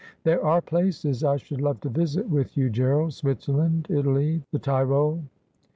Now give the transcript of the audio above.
' There are places I should love to visit with you, Gerald — Switzerland, Italy, the Tyrol.'